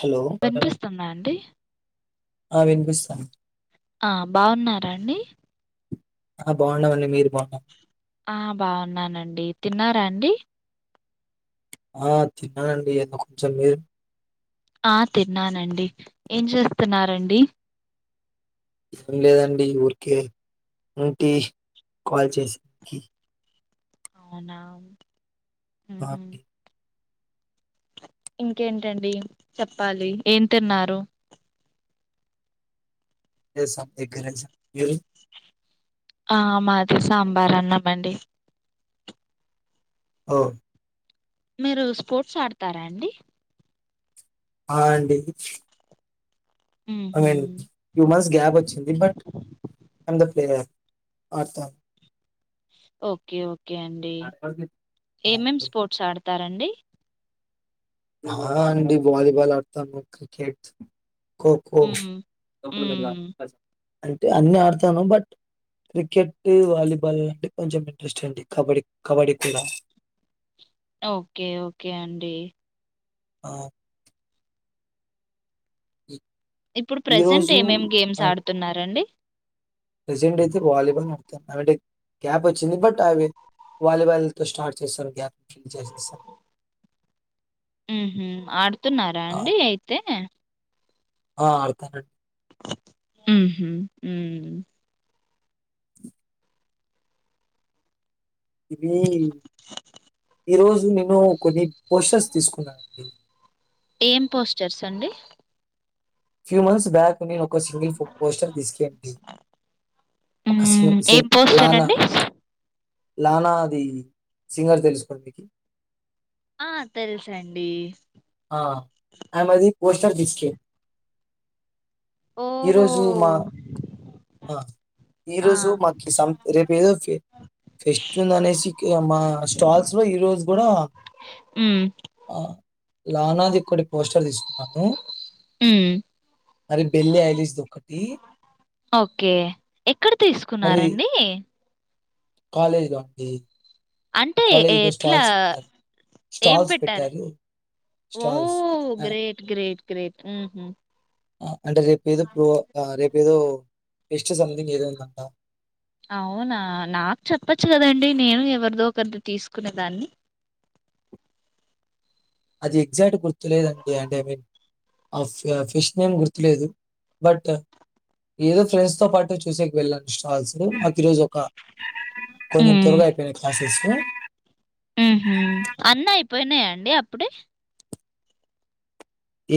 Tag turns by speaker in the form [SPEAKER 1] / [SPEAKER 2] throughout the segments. [SPEAKER 1] Hello
[SPEAKER 2] విన్పిస్తుందాండి
[SPEAKER 1] ఆ విన్పిస్తాంది
[SPEAKER 2] ఆ బాగున్నారాండి
[SPEAKER 1] ఆ బాగుండామండి మీరు బాగున్నా
[SPEAKER 2] ఆ బాగున్నానండి తిన్నారాండి
[SPEAKER 1] ఆ తిన్నానండి ఏదో కొంచెం మీరు
[SPEAKER 2] ఆ తిన్నానండి ఏం చేస్తున్నారండి
[SPEAKER 1] ఏం లేదండి ఊర్కే ఉంటి కాల్ చేసి
[SPEAKER 2] అవునా ఉహు
[SPEAKER 1] బాప్కి
[SPEAKER 2] ఇంకేంటండి చెప్పాలి ఏం తిన్నారూ
[SPEAKER 1] జేసాం ఎగ్ రైస్ [unintelligible]
[SPEAKER 2] ఆ మాది సాంబారన్నమండి
[SPEAKER 1] ఓ
[SPEAKER 2] మీరు స్పోర్ట్స్ ఆడ్తారాండి
[SPEAKER 1] ఆ అండి ఐ
[SPEAKER 2] ఉహు
[SPEAKER 1] మీన్ ట్యూ మంత్స్ గ్యాపొచ్చింది బట్ ఐమ్ ద ప్లేయర్ ఆడ్తా
[SPEAKER 2] ఓకే ఓకే అండి
[SPEAKER 1] ఆ అండి ఆ
[SPEAKER 2] ఏమేం స్పోర్ట్స్ ఆడ్తారండి
[SPEAKER 1] హా అండి వాలీబాల్ ఆడ్తామూ క్రికెట్ ఖోఖో
[SPEAKER 2] ఉమ్ ఉమ్
[SPEAKER 1] అంటే అన్ని ఆడ్తానూ బట్ క్రికెట్టూ వాలీబాల్ అంటే కొంచెం ఇంట్రెస్ట్ అండి కబడ్డీ కబడ్డీ కూడా
[SPEAKER 2] ఓకే ఓకే అండి
[SPEAKER 1] ఆ ఇ
[SPEAKER 2] ఇప్పుడు ప్రసెంట్ ఏమేం గేమ్స్ ఆడ్తున్నారండీ
[SPEAKER 1] ప్రెసెంటైతే వాలీలాడ్తాను [unintelligible] గ్యాపొచ్చింది బట్ అవి వాలీబాల్ తో స్టార్ట్ చేశారు గ్యాప్ ఫిల్ చేసేసా
[SPEAKER 2] ఉహు ఆడ్తున్నారాండి అయితే
[SPEAKER 1] ఆ ఆడ్తాన
[SPEAKER 2] ఉహు ఉమ్
[SPEAKER 1] ఇది ఈరోజు నేను కొన్ని పోస్టర్స్ తీస్కున్నానండీ
[SPEAKER 2] ఏం పోస్టర్స్ండీ
[SPEAKER 1] ఫ్యూ మంత్స్ బ్యాక్ నేను ఒక సింగిల్ పోస్టర్ తీస్కేయండి ఒక సి
[SPEAKER 2] హ్మ్ ఏం
[SPEAKER 1] సిల్క్
[SPEAKER 2] పోస్టర్
[SPEAKER 1] లానా
[SPEAKER 2] అండి
[SPEAKER 1] లానా అది సింగర్ తెల్స్కో డికీ
[SPEAKER 2] ఆ తెల్సండీ
[SPEAKER 1] ఆ ఆమే ది పోస్టర్ తీస్కే
[SPEAKER 2] ఓ
[SPEAKER 1] ఈరోజు మా ఆ
[SPEAKER 2] ఆ
[SPEAKER 1] ఈరోజు మాకి సం రేపు ఏదో ఫెస్ట్ ఉంది అనేసి కి మా స్టాల్స్ లో ఈరోజు కూడా
[SPEAKER 2] ఉమ్
[SPEAKER 1] లనాదిక్కటి పోస్టర్ తీసు నాను
[SPEAKER 2] హ్మ్
[SPEAKER 1] మళ్ళి బెల్లిి ఐలిస్ దోకటి
[SPEAKER 2] ఓకే ఎక్కడ తీసుకున్నారండి
[SPEAKER 1] కాలేజ్లో అండి
[SPEAKER 2] అంటే
[SPEAKER 1] కాలేజ్‌లో
[SPEAKER 2] ఎట్లా
[SPEAKER 1] స్టాల్స్ పెట్టారు.
[SPEAKER 2] ఏం
[SPEAKER 1] స్టాల్స్
[SPEAKER 2] పెట్టారం
[SPEAKER 1] పెట్టారు.
[SPEAKER 2] ఓ
[SPEAKER 1] స్టాల్స్. ఆ!
[SPEAKER 2] గ్రేట్ గ్రేట్ గ్రేట్ మ్ హు
[SPEAKER 1] అ అంటే రేపెదో పో ఆ రేపెదో
[SPEAKER 2] అవునా నాకు చెప్పచ్చు కదం డి నేను ఎవరిదో ఒకరిది తీసుకునే దాన్ని
[SPEAKER 1] అది ఎగ్జాక్ట్ గుర్తులేదండి అంటే మీ ఆ ఫె ఫెస్ట్ వేమ్ గుర్తులేదు బట్ ఏదో ఫ్రెండ్స్ తో పాటు చూసేకేళ్ళాను స్టాల్స్ ఈ రోజు ఒక కొంచెం త్వరగా అయిపోయినయి క్లాసెస్
[SPEAKER 2] మ్ హు అన్నీ అయిపోయినాయా అండి అప్పుడే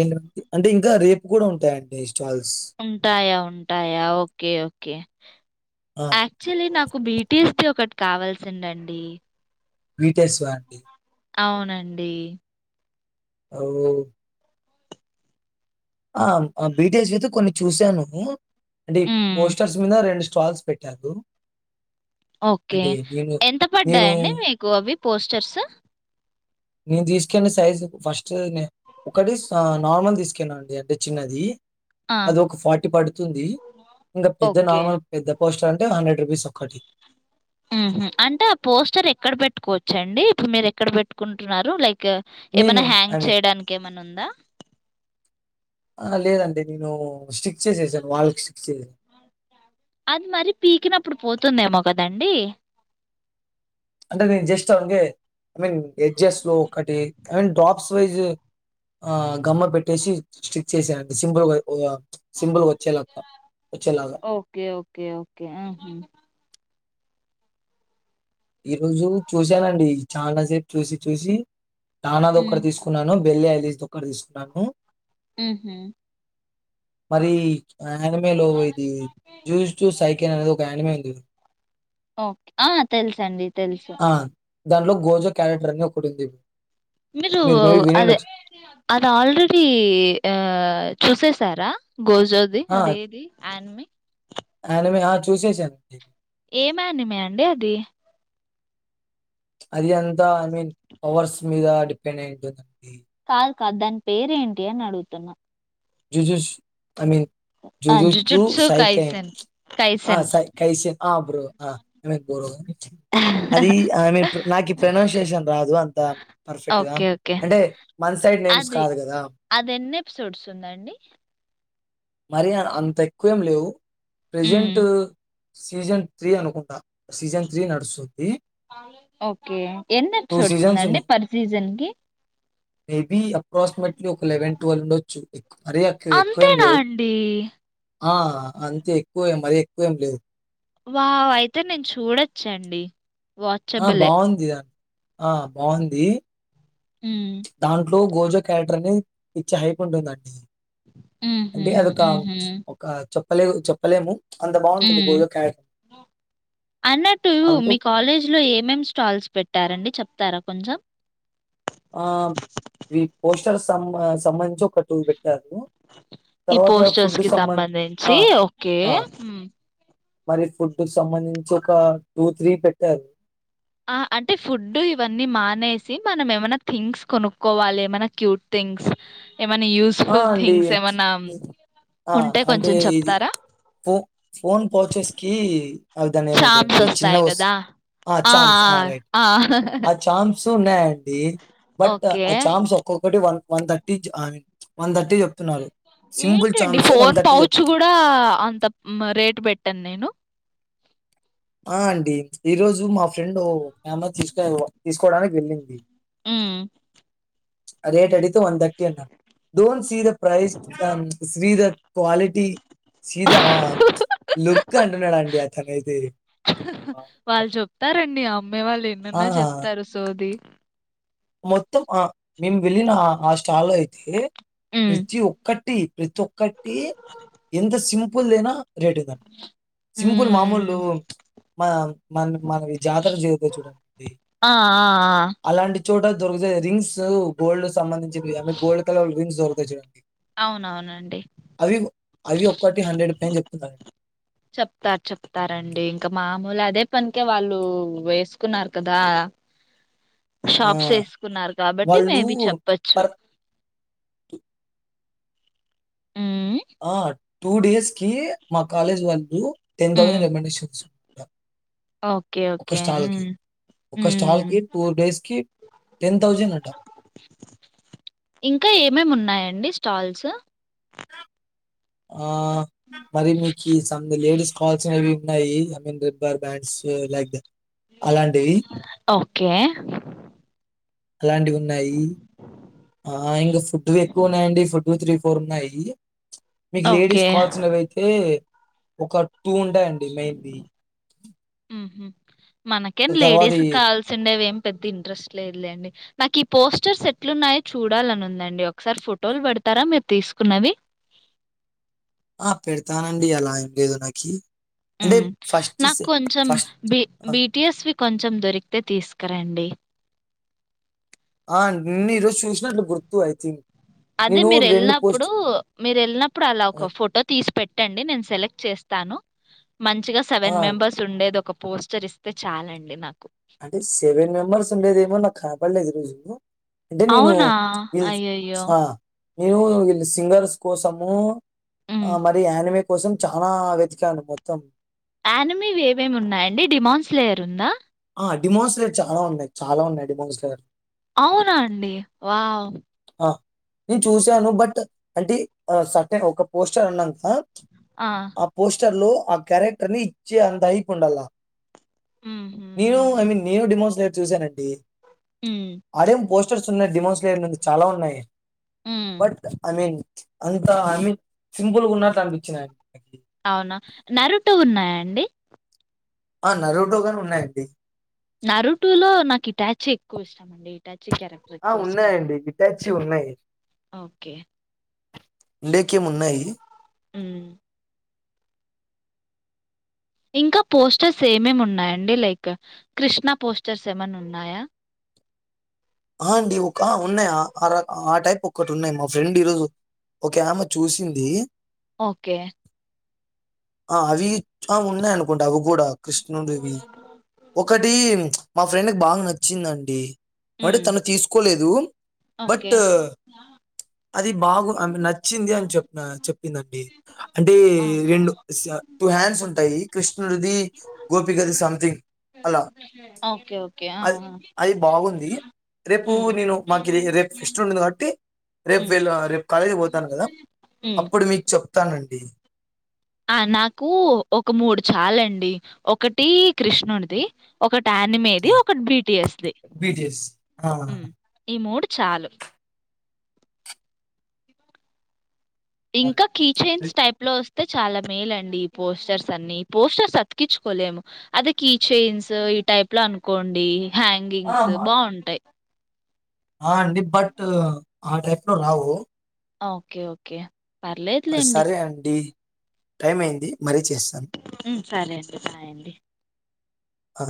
[SPEAKER 1] ఎన్డీ అంటే ఇంకా రేపు కూడా ఉంటాయండి స్టాల్స్
[SPEAKER 2] ఉంటాయా ఉంటాయా ఓకే ఓకే
[SPEAKER 1] ఆ!
[SPEAKER 2] యాక్చూల్లీ నాకు బిటిస్ది ఒకటి కావాల్సిందండి
[SPEAKER 1] బిటిస్వ అండి
[SPEAKER 2] అవునండి
[SPEAKER 1] ఒ ఆ అ బీటెస్ ఐతే కొన్ని చూశాను అంటే
[SPEAKER 2] హ్మ్.
[SPEAKER 1] పోస్టర్స్ మీద రెండు స్టాల్స్ పెట్టారు
[SPEAKER 2] ఓకే
[SPEAKER 1] అంటే నేను,
[SPEAKER 2] ఎంత
[SPEAKER 1] నేను,
[SPEAKER 2] పడ్డాయండి మీకు అవి పోస్టర్స్
[SPEAKER 1] నేను తీసుకెన్న సైజు ఫస్ట్ నే ఒకటి అ నార్మల్ తీసుకెళ్లిన అండి అంటే చిన్నది
[SPEAKER 2] ఆ!
[SPEAKER 1] అదోక ఫార్టీ పడుతుంది ఇంగ పెద్ద
[SPEAKER 2] ఓకే.
[SPEAKER 1] నార్మల్ పెద్ద పోస్టర్ అంటే హండ్రెడ్ రూపీస్ ఒక్కటి
[SPEAKER 2] మ్ హు అంటే ఆ పోస్టర్ ఎక్కడ పెట్టుకోవచ్చండి ఇప్పుడు మీరు ఎక్కడ పెట్టుకుంటున్నారు లై క్
[SPEAKER 1] నేను
[SPEAKER 2] ఏమన్నా
[SPEAKER 1] ఐ
[SPEAKER 2] హ్యాంగ్
[SPEAKER 1] మీన్
[SPEAKER 2] చేయడానికేమనుందా
[SPEAKER 1] ఆ లేదండి నేను స్టిక్ చేసేసాను వాల్ కి స్టిక్ చేసేసాను
[SPEAKER 2] అది మరీ పీకినప్పుడు పోతుందేమొ కదండి
[SPEAKER 1] అంటే నేను జస్ట్ అకే ఐ మీన్ ఎడ్జెస్ లో ఒకటి ఐ మీన్ డ్రాప్స్ వైజ్ ఆ గమ్మ పెట్టేసి స్టిక్ చేశాండి సింపుల్ గా సింబిల్గ వచ్చేలక్క వచ్చేలాగా
[SPEAKER 2] ఓకే. ఓకే. ఓకే. ఆహా!
[SPEAKER 1] ఈ రోజు చూసానండి చాలా సేపు చూసి చూసి
[SPEAKER 2] హ్మ్.
[SPEAKER 1] టనాదోక్కటి తీసుకున్నాను బిల్లీ ఐలిస్దోకటి తీసుకున్నాను
[SPEAKER 2] మ్ హు
[SPEAKER 1] మరి యానిమేలో ఇది జూస్ జూ సైకెల్ అనేది ఒక యానిమే ఉంది
[SPEAKER 2] ఓకే ఆ తెలుసండి తెలుసు
[SPEAKER 1] ఆ! దాంట్లో గోజో క్యాండేటర్ అని ఒకటి ఉంది
[SPEAKER 2] మీరు అదే అది ఆల్రెడీ ఆ చూసేస్ సరా గోజోది అదేది అనిమీ
[SPEAKER 1] అనిమీ ఆ చూసేసానండి
[SPEAKER 2] ఏమనిమే అండి అది
[SPEAKER 1] అది అంతా ఐ మీన్ పవర్స్ మీద డిపెండ్ అయిఉంటుంది అండి
[SPEAKER 2] కాద్ కాదు దాని పేరేంటి అని అడుగుతున్నా
[SPEAKER 1] జు జుస్ ఐ మీన్
[SPEAKER 2] ఆ
[SPEAKER 1] [unintelligible]
[SPEAKER 2] జుజుట్సు
[SPEAKER 1] సైకె
[SPEAKER 2] కైసెన్
[SPEAKER 1] అ
[SPEAKER 2] కైసెన్
[SPEAKER 1] సై కైసే ఆ బ్రో అ అది ఐ మీన్ నాకు ప్రనౌన్సియేషన్ రాదు అంత పర్ఫెక్ట్ గా
[SPEAKER 2] ఓకే ఓకే
[SPEAKER 1] అంటే మన సైడ్ నేమ్స్
[SPEAKER 2] అది
[SPEAKER 1] కాదు కదా
[SPEAKER 2] అదేన్నెపిసోడ్స్ ఉందండి
[SPEAKER 1] మరి అంతేక్కువేం లేవు
[SPEAKER 2] మ్మ్.
[SPEAKER 1] ప్రెజెంట్ సీజన్ త్రీ అనుకుంటా సీజన్ త్రీ నడుస్తుంది
[SPEAKER 2] ఓకే
[SPEAKER 1] టూ
[SPEAKER 2] ఎన్నేపిసోడ్స్
[SPEAKER 1] సీజన్స్
[SPEAKER 2] ఉందండి
[SPEAKER 1] ఉన్నాయి
[SPEAKER 2] పర్ సీజన్కి
[SPEAKER 1] మేబీ అప్రాక్సిమేట్లీ ఒక లెవెన్ టువల్ ఉండొచ్చు ఎక్ మరీ అక్ ఎక్కువేం
[SPEAKER 2] అంతేనా
[SPEAKER 1] లేవు
[SPEAKER 2] అండి
[SPEAKER 1] ఆ అంతేక్కువే మరెక్కువేం లేదు
[SPEAKER 2] వావ్ అయితే నేన్ చూడొచ్చండి
[SPEAKER 1] ఆ
[SPEAKER 2] వాచబులే
[SPEAKER 1] బాగుంది దాన్ ఆ బాగుంది
[SPEAKER 2] మ్మ్
[SPEAKER 1] దాంట్లో గోజొక్యారెక్టర్ అనేది పిచ్చ హైప్ ఉంటుందండి
[SPEAKER 2] మ్మ్
[SPEAKER 1] అంటే
[SPEAKER 2] హ్మ్
[SPEAKER 1] అదొక
[SPEAKER 2] మ్మ్ హ్మ్
[SPEAKER 1] ఒక చెప్పలే చెప్పలేము అంత బాగుంటుంది గోజో క్యా
[SPEAKER 2] అన్నట్టూ మీ కాలేజ్లో ఏమేం స్టాల్స్ పెట్టారండి చెప్ తార కొంచెం
[SPEAKER 1] ఆ ఇ పోస్టర్ సం సంబంధించి ఒక టూ పెట్టారు
[SPEAKER 2] ఈ
[SPEAKER 1] తర్వాత
[SPEAKER 2] పోస్టర్స్
[SPEAKER 1] ఫుడ్
[SPEAKER 2] కి
[SPEAKER 1] సంబం
[SPEAKER 2] సంబంధించి
[SPEAKER 1] ఆ!
[SPEAKER 2] ఓకే
[SPEAKER 1] ఆ!
[SPEAKER 2] మ్
[SPEAKER 1] మరి ఫుడ్ కు సంబంధించొక టూ త్రీ పెట్టారు
[SPEAKER 2] ఆ అంటే ఫుడ్ ఇవన్నీ మానేసి మనం ఏమైనా థింక్స్ కొనుక్కోవాలి ఏమైనా క్యూట్ థింగ్స్ ఏమన్నా
[SPEAKER 1] ఆ! అండి.
[SPEAKER 2] యూస్ఫుల్తింగ్స్ ఏమన్నా
[SPEAKER 1] ఆ!
[SPEAKER 2] ఉంటే
[SPEAKER 1] అంటే
[SPEAKER 2] కొంచెం
[SPEAKER 1] ఇది
[SPEAKER 2] చెప్తారా
[SPEAKER 1] ఫో ఫోన్ పౌచెస్కి అవి దాన్ని
[SPEAKER 2] చార్మ్స్
[SPEAKER 1] ఏమంటారండి
[SPEAKER 2] వస్తాయి
[SPEAKER 1] చిన్నగోస్
[SPEAKER 2] కదా!
[SPEAKER 1] ఆ చామ్స్ ఆ రైట్ ఆ చామ్స్ ఉన్నాయండి బట్
[SPEAKER 2] ఓకే.
[SPEAKER 1] ఆ ఛామ్స్ ఒక్కొక్ కటి one one thirty I mean one thirty చేప్తున్నారు
[SPEAKER 2] ఏంటండి ఫోన్ పౌచ్ కూడా అంత రేట్ పెట్టనేను
[SPEAKER 1] ఆ అండి ఈ రోజు మా ఫ్రెండ్ఓ క్యామెరా తీస్ క్ తీసుకోడానికేళ్ళింది
[SPEAKER 2] మ్
[SPEAKER 1] రేట్ అడితే వన్థర్టీ అన్నారు don't see the price comes జిథర్ క్వాలిటీ సీదా లుక్ అంటన్నాడండి అతనైతే
[SPEAKER 2] వాళ్ళు చెప్తారండి అమ్మేవాళ్ళు
[SPEAKER 1] ఆ!
[SPEAKER 2] ఎనైన చెప్తారు సోది
[SPEAKER 1] మొత్తం ఆ మేము వెళ్ళిన ఆ స్టాల్లో అయితే
[SPEAKER 2] హ్మ్
[SPEAKER 1] ప్రతి ఒక్కటి ప్రతొక్కటి ఎంత సింపుల్దేనా రేటే దన్ సింపుల్ మామూలూ
[SPEAKER 2] హ్మ్
[SPEAKER 1] మ మన మనవి జాతర జరిగితది చూడండి
[SPEAKER 2] ఆ ఆ
[SPEAKER 1] అలాంటి చోట దొరుకుతాయి రింగ్స్ గోల్డ్ సంబంధించినవి గోల్డ్ కలర్ రింగ్స్ దొరుకుతాయి చూడండి
[SPEAKER 2] ఆ అవునవునండి
[SPEAKER 1] అవి అవి ఒక్కటి హండ్రెడ్ పైన చెప్
[SPEAKER 2] చెప్తార్ చెప్తారండి ఇంకా మామూలదే పన్ కే వాళ్ళు వేసుకున్నారు కదా
[SPEAKER 1] ఆ!
[SPEAKER 2] షాప్స్ వేసుకున్నారు కాబట్టి
[SPEAKER 1] వాళ్ళు
[SPEAKER 2] మేబి చెప్పోచ్చు
[SPEAKER 1] పర్
[SPEAKER 2] హ్మ్
[SPEAKER 1] ఆ టూ డేస్కి మా కాలేజ్ వాళ్ళు టెన్
[SPEAKER 2] హ్మ్
[SPEAKER 1] థౌసండ్ రెమెండేషన్చ్
[SPEAKER 2] ఓకే ఓకే హు మ్
[SPEAKER 1] ఒక స్టాల్ కి ఫోర్ డేస్ కి టెన్ థౌజండ్ అంట
[SPEAKER 2] ఇంకా ఏమేమున్నాయండి స్టాల్స్
[SPEAKER 1] ఆ మరి మీకి సం లేడీస్ కాల్స్ అనేవి ఉన్నాయి I mean rubber bands like that అలాంటివి
[SPEAKER 2] ఓకే
[SPEAKER 1] అలాంటివున్నాయి ఆ ఇంకా ఫుడ్ వెక్కువున్నాయండి ఫుడ్ త్రీ ఫోర్ ఉన్నాయీ మీకు లేడీస్
[SPEAKER 2] ఓకే
[SPEAKER 1] కావాల్సినవైతే ఒక టూ ఉంటాయండి మెయిన్ వీ
[SPEAKER 2] మ్ హు మనకేం లేడీస్
[SPEAKER 1] తర్వాతి
[SPEAKER 2] కావాల్సి ఉండేవేం పెద్ద ఇంట్రెస్ట్ లేదులేండి నాకు ఈ పోస్టర్స్ ఎట్లున్నాయో చూడాలని ఉందండి ఒకసారి ఫోటోలు పేడ్ తారా మీరు తీసుకున్నవి
[SPEAKER 1] ఆ పెడతానండి అలా ఏం లేదు నాకి అంటే
[SPEAKER 2] మ్
[SPEAKER 1] ఫస్ట్
[SPEAKER 2] నాకు
[SPEAKER 1] సె
[SPEAKER 2] కొంచం
[SPEAKER 1] ఫస్ట్
[SPEAKER 2] బి
[SPEAKER 1] ఆ!
[SPEAKER 2] బిటిఎస్వి కొంచం దొరికితే తీసుకరండి
[SPEAKER 1] ఆ న్ ఈ రోజు చూసినట్లు గుర్తు ఐ థింక్
[SPEAKER 2] అదే
[SPEAKER 1] నేను
[SPEAKER 2] మీరు ఎళ్ళినప్పుడు
[SPEAKER 1] పోస్ట్
[SPEAKER 2] మీరు ఎళ్ళినప్పుడు అలా ఒక
[SPEAKER 1] ఆహ్,
[SPEAKER 2] ఫోటో తీసి పెట్టండి నేను సెలెక్ట్ చేస్ స్తాను మంచిగా
[SPEAKER 1] ఆ!
[SPEAKER 2] సెవెన్ మెంబర్స్ ఉండేది ఒక పోస్టర్ ఇస్తే చాలండి నాక్
[SPEAKER 1] అంటే సెవెన్ మెంబర్స్ ఉండేదేమో నాకు కానాపాడలేదు ఈ రోజు అంటే నేను
[SPEAKER 2] అవునా?
[SPEAKER 1] వీళ్ళు
[SPEAKER 2] అయ్యయ్యో!
[SPEAKER 1] ఆ నేను వీళ్ళు సింగర్స్ కోసము
[SPEAKER 2] హ్మ్.
[SPEAKER 1] ఆ మరి యానిమే కోసం చానా వెతికాను మొత్తం
[SPEAKER 2] అనివేమేమున్నాయండి డిమౌన్స్లేయర్ ఉందా
[SPEAKER 1] ఆ డిమోన్స్లేర్ చాలా ఉన్నాయి చాలా ఉన్నాయి డిమోన్స్లర్
[SPEAKER 2] అవునా అండి వావ్
[SPEAKER 1] అ నేను చూసాను బట్ అంటే సటెన్ ఒక పోస్టర్ ఉనంక ఆ పోస్టర్ లో ఆ క్యారెక్టర్ని ఇచ్చే అంత హైప్ ఉండాల
[SPEAKER 2] హుహు.
[SPEAKER 1] నేను ఐ
[SPEAKER 2] హుహు.
[SPEAKER 1] మీన్ నేను డిమోన్స్లేర్ చూసానండి
[SPEAKER 2] హ్మ్.
[SPEAKER 1] ఆడేం పోస్ టర్స్ ఉన్నయ్ డిమోన్స్లేర్ నుండి చాలా ఉన్నాయి
[SPEAKER 2] హ్మ్.
[SPEAKER 1] బట్ ఐ మీన్ అంత ఐ మిన్ సింపుల్గా ఉన్నట్టు అనిపిచినయండి
[SPEAKER 2] నరుటు ఉన్నాయండి
[SPEAKER 1] ఆ నరుటు కని ఉన్నాయండి
[SPEAKER 2] నరుటూ లో నాకు ఇటాచి ఎక్కువ ఇష్టాం అండి ఇటాచి
[SPEAKER 1] ఆ ఉన్నాయండి హిట్టాచ్చి ఉన్నాయి
[SPEAKER 2] ఓకే.
[SPEAKER 1] లేకేమున్నాయి
[SPEAKER 2] హ్మ్. ఇంకా పోస్టర్స్ ఏమేమున్నాయండి లైక్ కృష్ణా పోస్టర్స్ ఏమన్నా ఉన్నాయా
[SPEAKER 1] ఆ అండి ఒక ఉన్నాయి ఆ అర ఆ టైప్ ఒక్కటి ఉన్నాయి మా ఫ్రెండ్ ఈరోోజు ఒక ఆమె చూసింది
[SPEAKER 2] ఓకే.
[SPEAKER 1] ఆ అవి చ అ ఉన్నాయనుకుంటా అవి కూడా కృష్ణుడివి ఒకటి మా ఫ్రెండ్కి బాగా నచ్చిందండి వాడ్
[SPEAKER 2] హ్మ్.
[SPEAKER 1] తను తీసుకోలేదు
[SPEAKER 2] ఓకే.
[SPEAKER 1] బట్ అది బాగు ఆమె నచ్చింది అని చెప్పనా చెప్పిందండి అంటే
[SPEAKER 2] ఆహా!
[SPEAKER 1] రెండు సి టూ హ్యాండ్స్ ఉంటాయి కృష్ణుడిది గోపికది సంథింగ్ అలా.
[SPEAKER 2] ఓకే ఓకే ఆ
[SPEAKER 1] అది
[SPEAKER 2] ఆ
[SPEAKER 1] అది బాగుంది. రేపు
[SPEAKER 2] హ్మ్.
[SPEAKER 1] నేను మాకు ఇది రేపు ఫెస్ట్ ఉంది కాబట్టి రేపు
[SPEAKER 2] హ్మ్.
[SPEAKER 1] వెల్ రేపు కాలేజీకి పోతాను కదా
[SPEAKER 2] హ్మ్.
[SPEAKER 1] అప్పుడు మీకు చెప్తానండి
[SPEAKER 2] ఆ నాకు ఒక మూడు చాలండి ఒకటి కృష్ణుడిది ఒకట్ టనిమీది
[SPEAKER 1] ఆ!
[SPEAKER 2] ఒకటి బీటీస్ది
[SPEAKER 1] బీటీఎస్. ఆ!
[SPEAKER 2] మ్ ఈ మూడు చాలు
[SPEAKER 1] అవును.
[SPEAKER 2] ఇంకా కీచైన్స్ టైప్ లో ఓస్ తే చాలా మేలండి ఈ పోస్టర్స్ అన్ని పోస్టర్స్ అతికిచుకోలేము అదే కిచైన్స్ ఈ టైప్ లో అనుకోండి హ్యాంగింగ్స్
[SPEAKER 1] ఆ!
[SPEAKER 2] బావుంటై
[SPEAKER 1] ఆ అండి బట్ ఆ టైప్ లో రావు
[SPEAKER 2] ఓకే ఓకే పర్లేదులెండి.
[SPEAKER 1] సరే అండి టైం అయింది మరి చేస్తాను
[SPEAKER 2] హ్మ్. సరే అండి. బాయ్ అండి.
[SPEAKER 1] అ